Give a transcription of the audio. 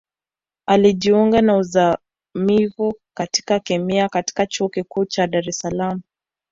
Alijiunga na Uzamivu katika Kemia katika Chuo Kikuu cha Dar es Salaam